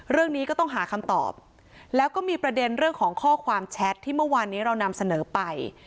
เรื่องนี้ก็ต้องหาคำตอบแล้วก็มีประเด็นเรื่องของข้อความแชทที่เมื่อวานนี้เรานำเสนอไป